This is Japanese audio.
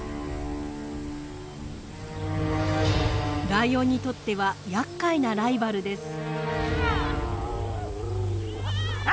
ライオンにとってはやっかいなライバルです。